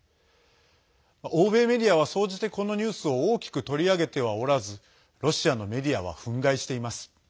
欧米メディアは総じてこのニュースを大きく取り上げてはおらずロシアのメディアは憤慨しています。